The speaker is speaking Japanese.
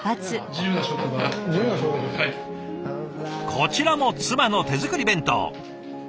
こちらも妻の手作り弁当。